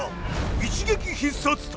一撃必殺隊